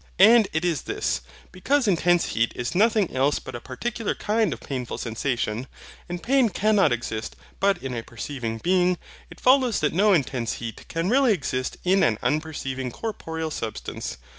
And it is this: because intense heat is nothing else but a particular kind of painful sensation; and pain cannot exist but in a perceiving being; it follows that no intense heat can really exist in an unperceiving corporeal substance.